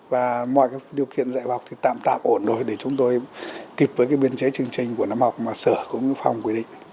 và mọi điều kiện dạy học thì tạm tạm ổn rồi để chúng tôi kịp với biên chế chương trình của năm học mà sửa cũng phòng quy định